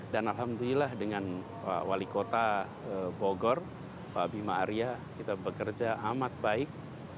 dan alhamdulillah dengan wali kota bogor pak bima arya kita bekerja amat baik